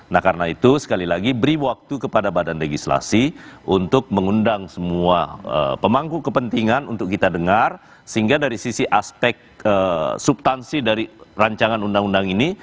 nah karena itu sekali lagi beri waktu kepada badan legislasi untuk mengundang semua pemangku kepentingan untuk kita dengar sehingga dari sisi aspek subtansi dari rancangan undang undang ini